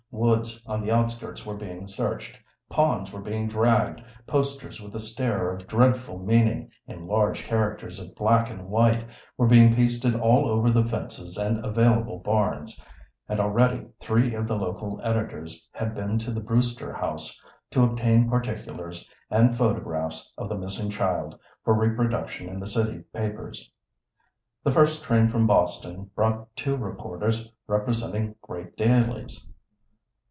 Woods on the outskirts were being searched, ponds were being dragged, posters with a stare of dreadful meaning in large characters of black and white were being pasted all over the fences and available barns, and already three of the local editors had been to the Brewster house to obtain particulars and photographs of the missing child for reproduction in the city papers. The first train from Boston brought two reporters representing great dailies.